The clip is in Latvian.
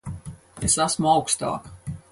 Es esmu augstāk.